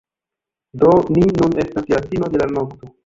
Do, ni nun estas je la fino de la nokto